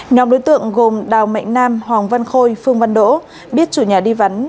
nhóm đối tượng gồm đào mạnh nam hoàng văn khôi phương văn đỗ biết chủ nhà đi vắng